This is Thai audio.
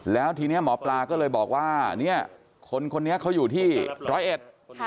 แล้วทีนี้หมอปลาก็เลยบอกว่าเนี่ยคนคนนี้เขาอยู่ที่ร้อยเอ็ด